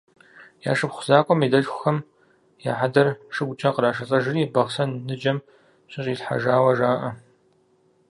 Я шыпхъу закъуэм и дэлъхухэм я хьэдэр шыгукӏэ къришэлӏэжри, Бахъсэн ныджэм щыщӏилъхьэжауэ жаӏэ.